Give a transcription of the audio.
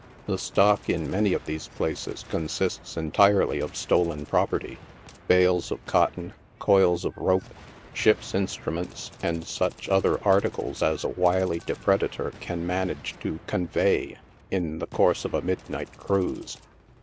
The stock, in many of these places, consists entirely of stolen property — bales of cotton, coils of rope, ships' instruments, and such other articles as a wily depredator can manage to " convey" in the course of a midnight cruise.